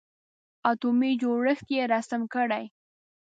اتومي جوړښت یې رسم کړئ.